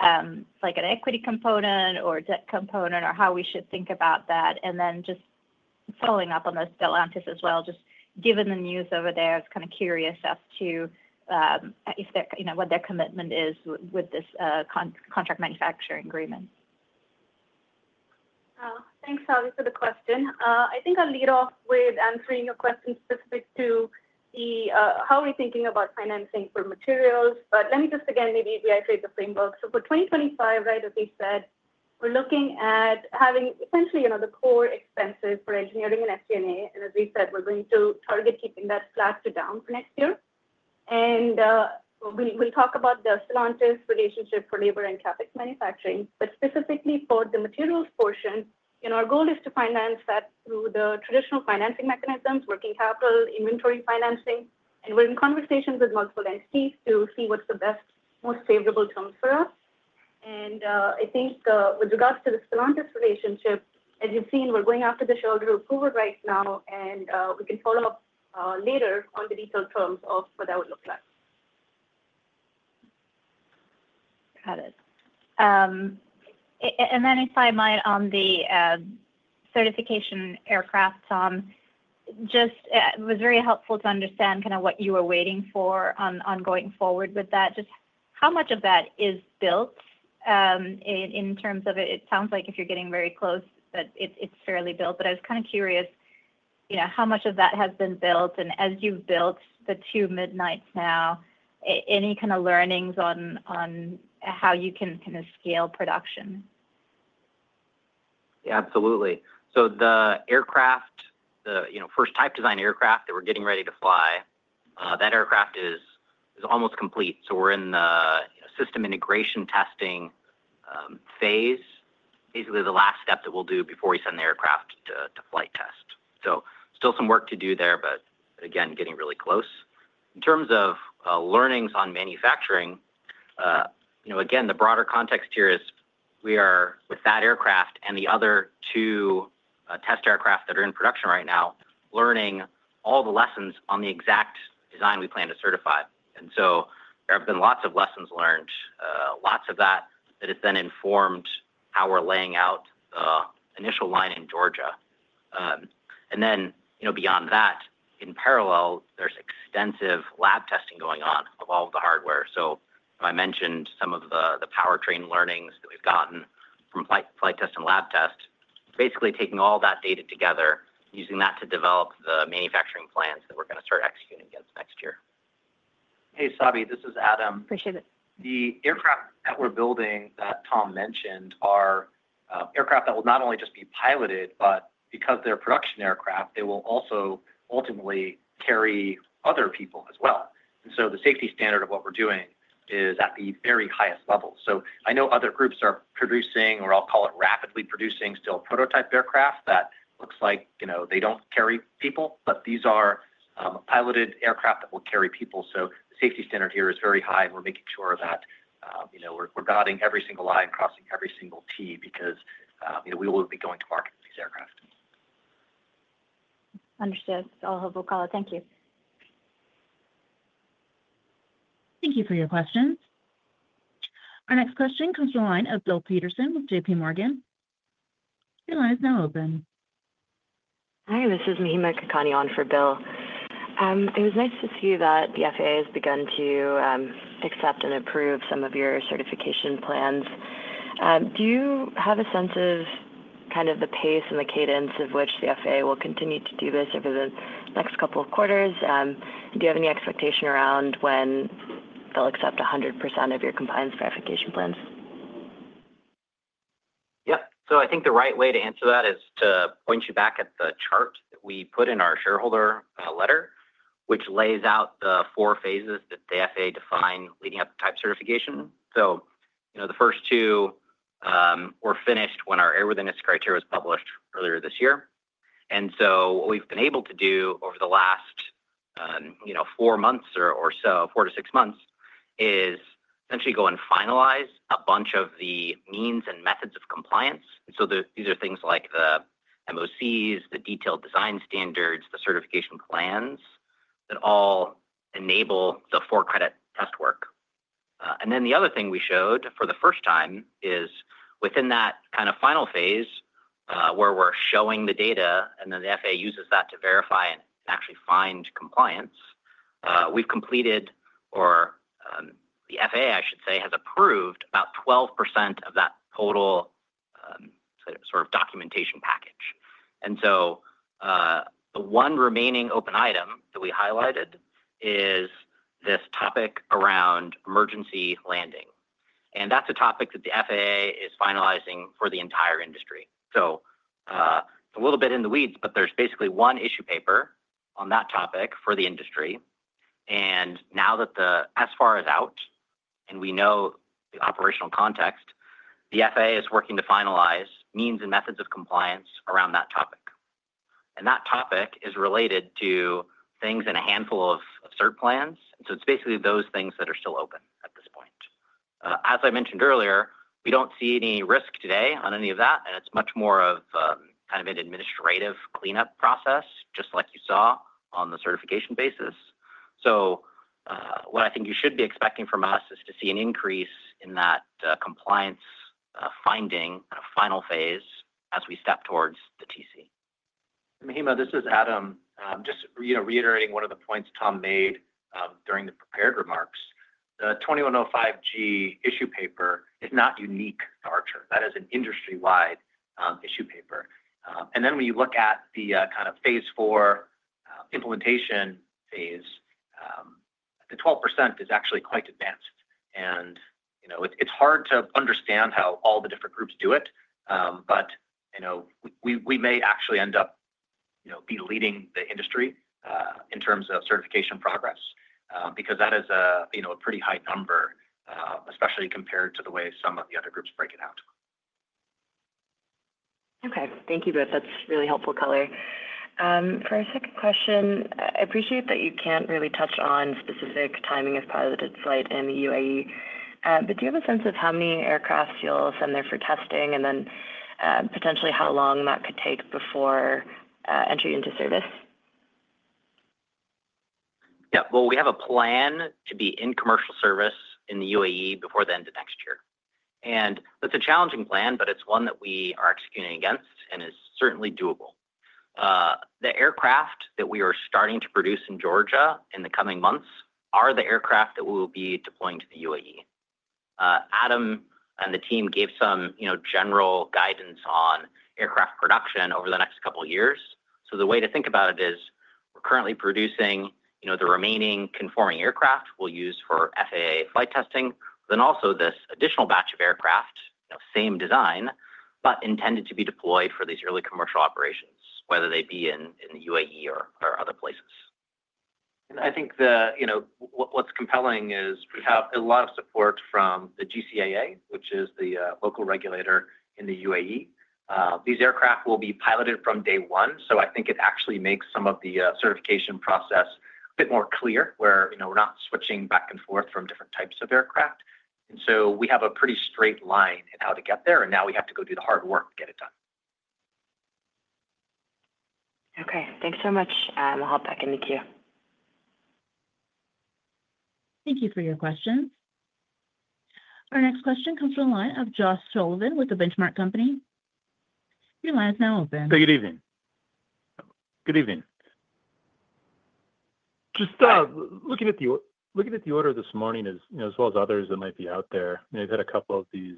an equity component or debt component or how we should think about that. And then just following up on the Stellantis as well, just given the news over there, I was kind of curious as to what their commitment is with this contract manufacturing agreement. Thanks, Savi, for the question. I think I'll lead off with answering your question specific to how we're thinking about financing for materials. But let me just again maybe reiterate the framework. For 2025, right, as we said, we're looking at having essentially the core expenses for engineering and SG&A. And as we said, we're going to target keeping that flat to down for next year. And we'll talk about the Stellantis relationship for labor and CapEx manufacturing. But specifically for the materials portion, our goal is to finance that through the traditional financing mechanisms, working capital, inventory financing. And we're in conversations with multiple entities to see what's the best, most favorable terms for us. And I think with regards to the Stellantis relationship, as you've seen, we're going after the shelter approval right now, and we can follow up later on the detailed terms of what that would look like. Got it. Then if I might, on the certification aircraft, Tom, it was very helpful to understand kind of what you were waiting for on going forward with that. Just how much of that is built in terms of it? It sounds like if you're getting very close, it's fairly built. But I was kind of curious how much of that has been built. And as you've built the two Midnights now, any kind of learnings on how you can kind of scale production? Yeah, absolutely. So the aircraft, the first type design aircraft that we're getting ready to fly, that aircraft is almost complete. So we're in the system integration testing phase, basically the last step that we'll do before we send the aircraft to flight test. So still some work to do there, but again, getting really close. In terms of learnings on manufacturing, again, the broader context here is we are with that aircraft and the other two test aircraft that are in production right now, learning all the lessons on the exact design we plan to certify. And so there have been lots of lessons learned, lots of that that has then informed how we're laying out the initial line in Georgia. And then beyond that, in parallel, there's extensive lab testing going on of all of the hardware. So I mentioned some of the powertrain learnings that we've gotten from flight test and lab test, basically taking all that data together, using that to develop the manufacturing plans that we're going to start executing against next year. Hey, Savi, this is Adam. Appreciate it. The aircraft that we're building that Tom mentioned are aircraft that will not only just be piloted, but because they're production aircraft, they will also ultimately carry other people as well. And so the safety standard of what we're doing is at the very highest level. So I know other groups are producing, or I'll call it rapidly producing, still prototype aircraft that looks like they don't carry people, but these are piloted aircraft that will carry people. So the safety standard here is very high, and we're making sure that we're dotting every single i and crossing every single t because we will be going to market with these aircraft. Understood. I'll hold the call. Thank you. Thank you for your questions. Our next question comes from a line of Bill Peterson with JPMorgan. Your line is now open. Hi, this is Mahima Kakani on for Bill. It was nice to see that the FAA has begun to accept and approve some of your certification plans. Do you have a sense of kind of the pace and the cadence of which the FAA will continue to do this over the next couple of quarters? Do you have any expectation around when they'll accept 100% of your compliance verification plans? Yep. So I think the right way to answer that is to point you back at the chart that we put in our shareholder letter, which lays out the four phases that the FAA defined leading up to type certification. So the first two were finished when our airworthiness criteria was published earlier this year. And so what we've been able to do over the last four months or so, four to six months, is essentially go and finalize a bunch of the means and methods of compliance. And so these are things like the MOCs, the detailed design standards, the certification plans that all enable the for-credit test work. And then the other thing we showed for the first time is within that kind of final phase where we're showing the data, and then the FAA uses that to verify and actually find compliance. We've completed, or the FAA, I should say, has approved about 12% of that total sort of documentation package. And so the one remaining open item that we highlighted is this topic around emergency landing. And that's a topic that the FAA is finalizing for the entire industry. So it's a little bit in the weeds, but there's basically one issue paper on that topic for the industry. Now that the SFAR is out and we know the operational context, the FAA is working to finalize means and methods of compliance around that topic. That topic is related to things in a handful of cert plans. It's basically those things that are still open at this point. As I mentioned earlier, we don't see any risk today on any of that, and it's much more of kind of an administrative cleanup process, just like you saw on the certification basis. What I think you should be expecting from us is to see an increase in that compliance finding kind of final phase as we step towards the TC. Mahima, this is Adam. Just reiterating one of the points Tom made during the prepared remarks. The 21.05(g) issue paper is not unique to Archer. That is an industry-wide issue paper. And then when you look at the kind of phase four implementation phase, the 12% is actually quite advanced. And it's hard to understand how all the different groups do it, but we may actually end up be leading the industry in terms of certification progress because that is a pretty high number, especially compared to the way some of the other groups break it out. Okay. Thank you. That's really helpful color. For our second question, I appreciate that you can't really touch on specific timing of piloted flight in the UAE, but do you have a sense of how many aircraft you'll send there for testing and then potentially how long that could take before entry into service? Yeah. Well, we have a plan to be in commercial service in the UAE before the end of next year. That's a challenging plan, but it's one that we are executing against and is certainly doable. The aircraft that we are starting to produce in Georgia in the coming months are the aircraft that we will be deploying to the UAE. Adam and the team gave some general guidance on aircraft production over the next couple of years. So the way to think about it is we're currently producing the remaining conforming aircraft we'll use for FAA flight testing, then also this additional batch of aircraft, same design, but intended to be deployed for these early commercial operations, whether they be in the UAE or other places. I think what's compelling is we have a lot of support from the GCAA, which is the local regulator in the UAE. These aircraft will be piloted from day one. I think it actually makes some of the certification process a bit more clear where we're not switching back and forth from different types of aircraft. And so we have a pretty straight line in how to get there, and now we have to go do the hard work to get it done. Okay. Thanks so much. I'll hop back into queue. Thank you for your questions. Our next question comes from a line of Josh Sullivan with The Benchmark Company. Your line is now open. Hey, good evening. Good evening. Just looking at the order this morning, as well as others that might be out there, we've had a couple of these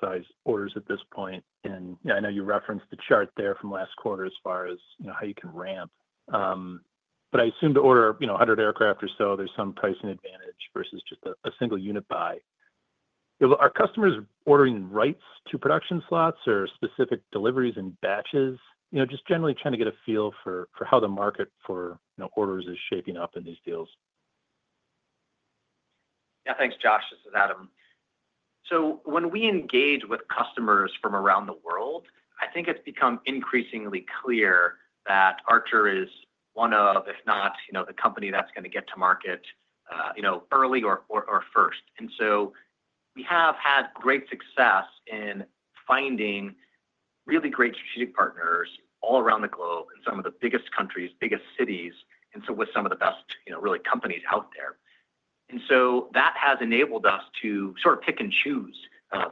size orders at this point. And I know you referenced the chart there from last quarter as far as how you can ramp. But I assume to order 100 aircraft or so, there's some pricing advantage versus just a single unit buy. Are customers ordering rights to production slots or specific deliveries and batches? Just generally trying to get a feel for how the market for orders is shaping up in these deals. Yeah. Thanks, Josh. This is Adam. So when we engage with customers from around the world, I think it's become increasingly clear that Archer is one of, if not the company that's going to get to market early or first. And so we have had great success in finding really great strategic partners all around the globe in some of the biggest countries, biggest cities, and so with some of the best really companies out there. And so that has enabled us to sort of pick and choose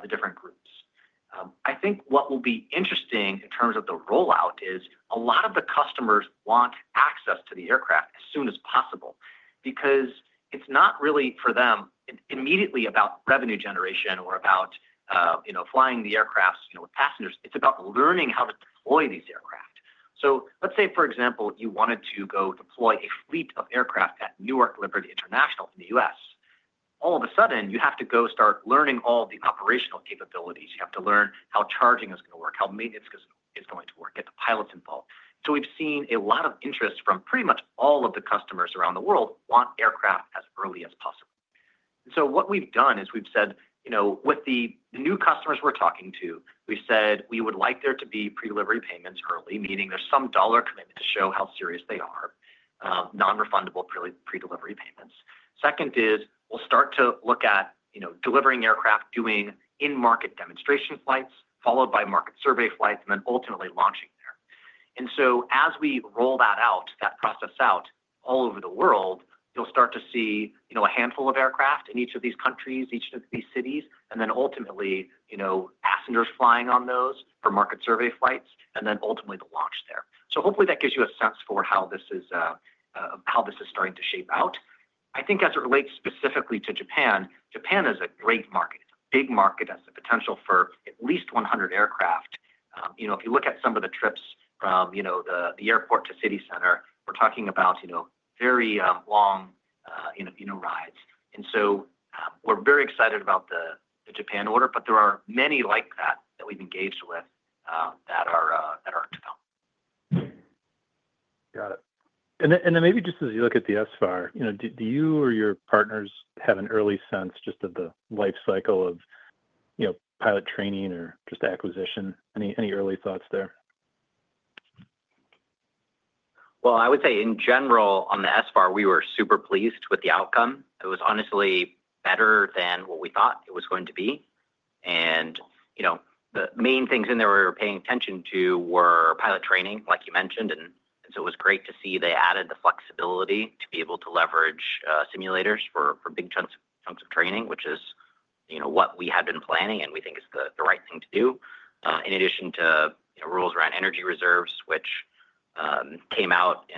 the different groups. I think what will be interesting in terms of the rollout is a lot of the customers want access to the aircraft as soon as possible because it's not really for them immediately about revenue generation or about flying the aircraft with passengers. It's about learning how to deploy these aircraft. So let's say, for example, you wanted to go deploy a fleet of aircraft at Newark Liberty International in the U.S. All of a sudden, you have to go start learning all the operational capabilities. You have to learn how charging is going to work, how maintenance is going to work, get the pilots involved. So we've seen a lot of interest from pretty much all of the customers around the world want aircraft as early as possible. And so what we've done is we've said with the new customers we're talking to, we've said we would like there to be pre-delivery payments early, meaning there's some dollar commitment to show how serious they are, non-refundable pre-delivery payments. Second is we'll start to look at delivering aircraft doing in-market demonstration flights, followed by market survey flights, and then ultimately launching there. And so as we roll that out, that process out all over the world, you'll start to see a handful of aircraft in each of these countries, each of these cities, and then ultimately passengers flying on those for market survey flights, and then ultimately the launch there. So hopefully that gives you a sense for how this is starting to shape out. I think as it relates specifically to Japan, Japan is a great market. It's a big market. It has the potential for at least 100 aircraft. If you look at some of the trips from the airport to city center, we're talking about very long rides. And so we're very excited about the Japan order, but there are many like that that we've engaged with that are to come. Got it. And then maybe just as you look at the SFAR, do you or your partners have an early sense just of the life cycle of pilot training or just acquisition? Any early thoughts there? Well, I would say in general, on the SFAR, we were super pleased with the outcome. It was honestly better than what we thought it was going to be. And the main things in there we were paying attention to were pilot training, like you mentioned. And so it was great to see they added the flexibility to be able to leverage simulators for big chunks of training, which is what we had been planning and we think is the right thing to do. In addition to rules around energy reserves, which came out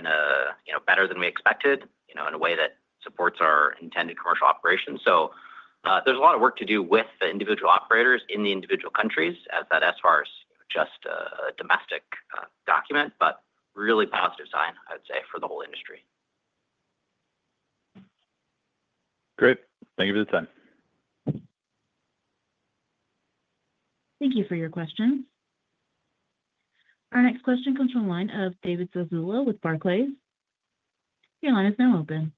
better than we expected in a way that supports our intended commercial operations. So there's a lot of work to do with the individual operators in the individual countries as that SFAR is just a domestic document, but really positive sign, I would say, for the whole industry. Great. Thank you for the time. Thank you for your questions. Our next question comes from a line of David Zazula with Barclays. Your line is now open.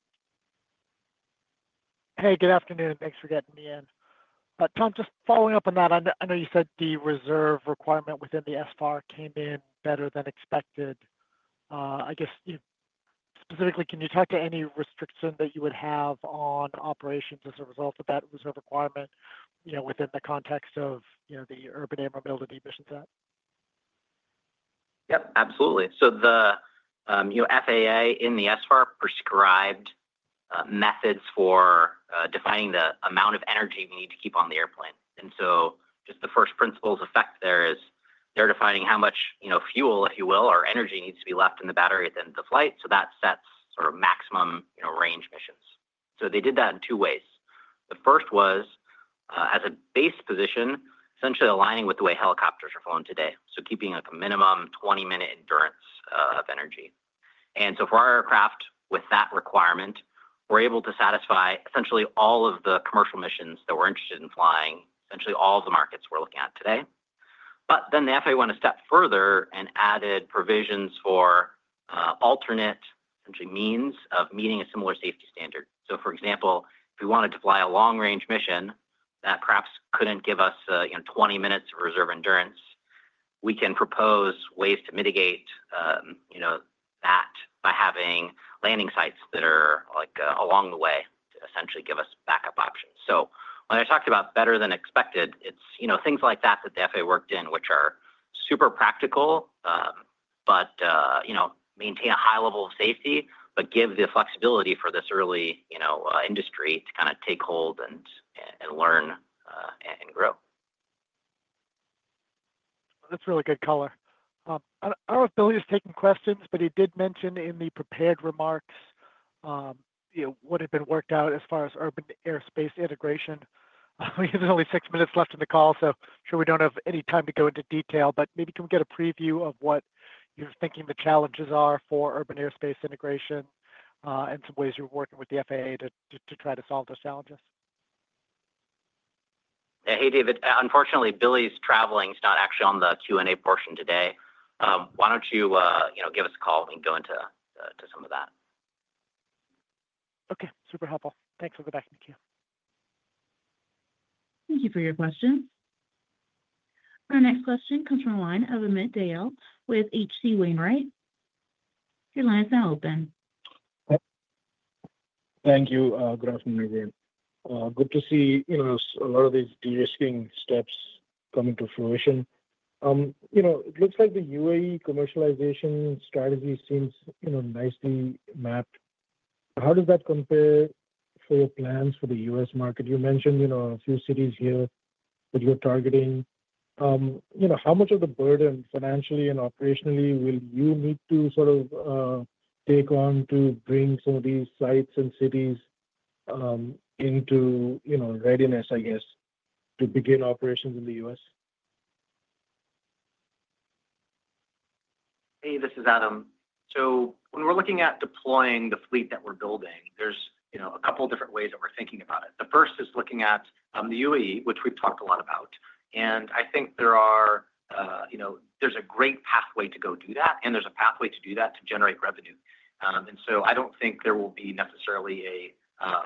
Hey, good afternoon. Thanks for getting me in. Tom, just following up on that. I know you said the reserve requirement within the SFAR came in better than expected. I guess specifically, can you talk to any restriction that you would have on operations as a result of that reserve requirement within the context of the Urban Air Mobility mission set? Yep. Absolutely. So the FAA in the SFAR prescribed methods for defining the amount of energy we need to keep on the airplane. And so just the first principle's effect there is they're defining how much fuel, if you will, or energy needs to be left in the battery at the end of the flight. So that sets sort of maximum range missions. So they did that in two ways. The first was as a base position, essentially aligning with the way helicopters are flown today. So keeping a minimum 20-minute endurance of energy. And so for our aircraft with that requirement, we're able to satisfy essentially all of the commercial missions that we're interested in flying, essentially all of the markets we're looking at today. But then the FAA went a step further and added provisions for alternate means of meeting a similar safety standard. So for example, if we wanted to fly a long-range mission that perhaps couldn't give us 20 minutes of reserve endurance, we can propose ways to mitigate that by having landing sites that are along the way to essentially give us backup options. So when I talked about better than expected, it's things like that that the FAA worked in, which are super practical, but maintain a high level of safety, but give the flexibility for this early industry to kind of take hold and learn and grow. That's really good color. I don't know if Billy is taking questions, but he did mention in the prepared remarks what had been worked out as far as urban airspace integration. We have only six minutes left in the call, so I'm sure we don't have any time to go into detail, but maybe can we get a preview of what you're thinking the challenges are for urban airspace integration and some ways you're working with the FAA to try to solve those challenges? Hey, David. Unfortunately, Billy's traveling is not actually on the Q&A portion today. Why don't you give us a call and go into some of that? Okay. Super helpful. Thanks. We'll get back into queue. Thank you for your questions. Our next question comes from a line of Amit Dayal with H.C. Wainwright. Your line is now open. Thank you. Good afternoon, everyone. Good to see a lot of these de-risking steps coming to fruition. It looks like the UAE commercialization strategy seems nicely mapped. How does that compare for your plans for the U.S. market? You mentioned a few cities here that you're targeting. How much of the burden financially and operationally will you need to sort of take on to bring some of these sites and cities into readiness, I guess, to begin operations in the U.S.? Hey, this is Adam. So when we're looking at deploying the fleet that we're building, there's a couple of different ways that we're thinking about it. The first is looking at the UAE, which we've talked a lot about. And I think there's a great pathway to go do that, and there's a pathway to do that to generate revenue. I don't think there will be necessarily a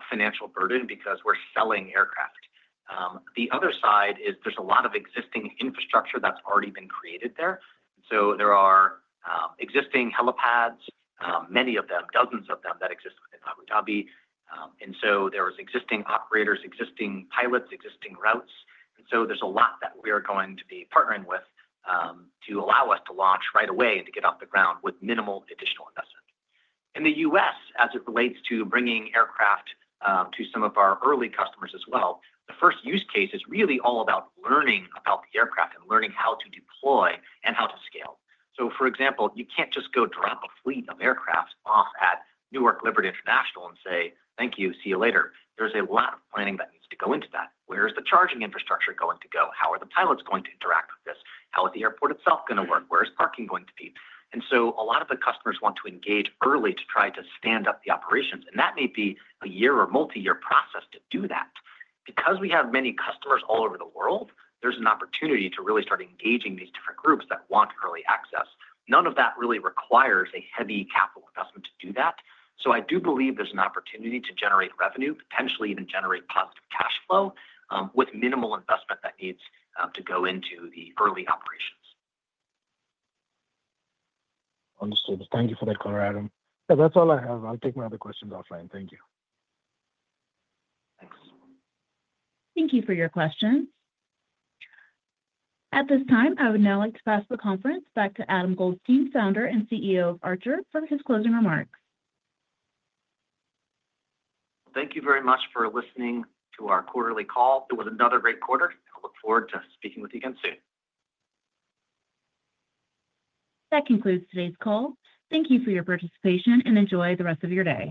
financial burden because we're selling aircraft. The other side is there's a lot of existing infrastructure that's already been created there. So there are existing helipads, many of them, dozens of them that exist within Abu Dhabi. And so there are existing operators, existing pilots, existing routes. And so there's a lot that we're going to be partnering with to allow us to launch right away and to get off the ground with minimal additional investment. In the U.S., as it relates to bringing aircraft to some of our early customers as well, the first use case is really all about learning about the aircraft and learning how to deploy and how to scale. So for example, you can't just go drop a fleet of aircraft off at Newark Liberty International and say, "Thank you. See you later." There's a lot of planning that needs to go into that. Where is the charging infrastructure going to go? How are the pilots going to interact with this? How is the airport itself going to work? Where is parking going to be? And so a lot of the customers want to engage early to try to stand up the operations. And that may be a year or multi-year process to do that. Because we have many customers all over the world, there's an opportunity to really start engaging these different groups that want early access. None of that really requires a heavy capital investment to do that. So I do believe there's an opportunity to generate revenue, potentially even generate positive cash flow with minimal investment that needs to go into the early operations. Understood. Thank you for that color, Adam. That's all I have. I'll take my other questions offline. Thank you. Thanks. Thank you for your questions. At this time, I would now like to pass the conference back to Adam Goldstein, founder and CEO of Archer, for his closing remarks. Thank you very much for listening to our quarterly call. It was another great quarter. I look forward to speaking with you again soon. That concludes today's call. Thank you for your participation and enjoy the rest of your day.